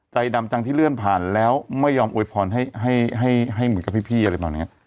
ใจดำจังที่เลื่อนผ่านแล้วไม่ยอมอวยพรให้เหมือนกับพี่อะไรประมาณนี้